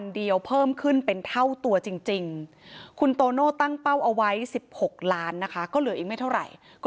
ทุกใบคุณภายใจคุดจะฝอรึกภาพไม่ถูก